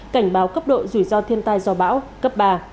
cảnh báo cấp độ rủi ro thiên tai do bão cấp ba